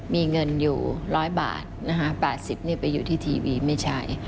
มีเงินอยู่๑๐๐บาทนะคะ๘๐นี่ไปอยู่ที่ทีวีไม่ใช่